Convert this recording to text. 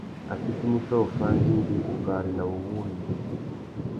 A fitimú fê uffá andingui, wubari nà wuwúrrini.